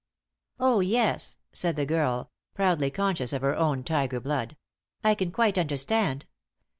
"Oh, yes," said the girl, proudly conscious of her own tiger blood, "I can quite understand.